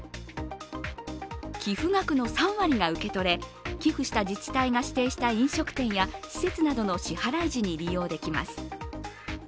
寄付額の３割が受け取れ、寄付した自治体が指定した飲食店や施設などの支払い時に利用できます。